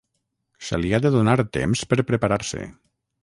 Se li ha de donar temps per preparar-se.